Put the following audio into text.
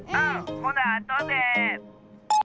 ほなあとで。